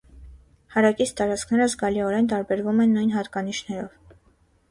Հարակից տարածքները զգալիորեն տարբերվում են նույն հատկանիշներով։